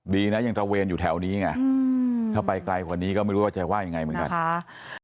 ดีนะยังตระเวนอยู่แถวนี้ไงถ้าไปไกลกว่านี้ก็ไม่รู้ว่าจะว่ายังไงเหมือนกัน